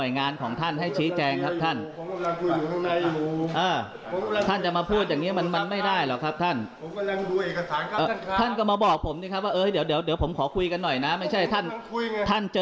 นี่ครับคุณผู้ชมฮะ